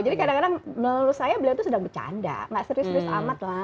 kadang kadang menurut saya beliau itu sedang bercanda nggak serius serius amat lah